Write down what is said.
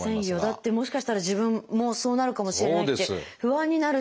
だってもしかしたら自分もそうなるかもしれないって不安になるし。